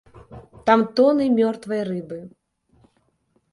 Там тоны мёртвай рыбы.